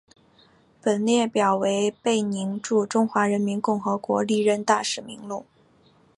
本列表为贝宁驻中华人民共和国历任大使名录。